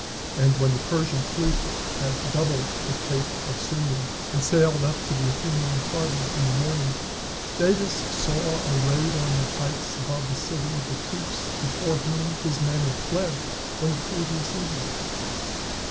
And when the Persian fleet had doubled the Cape of Sunium and sailed up to the Athenian harbor in the morning, Datis saw arrayed on the heights above the city the troops before whom his men had fled on the preceding evening.